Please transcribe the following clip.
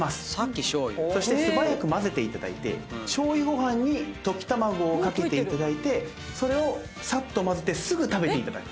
そして素早く混ぜていただいて醤油ご飯に溶き卵を掛けていただいてそれをさっと混ぜてすぐ食べていただく。